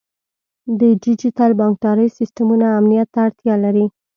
د ډیجیټل بانکدارۍ سیستمونه امنیت ته اړتیا لري.